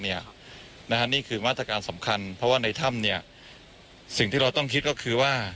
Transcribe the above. นี่คือมาตรการสำคัญเพราะว่าในถ้ำเนี่ยสิ่งที่เราต้องคิดก็คือว่า